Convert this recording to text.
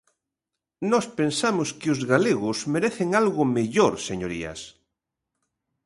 Nós pensamos que os galegos merecen algo mellor, señorías.